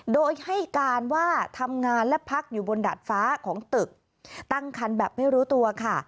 โดยให้การว่าทำงานและพักอยู่บนดาดฟ้าของตึกตั้งคันแบบไม่รู้ตัวค่ะ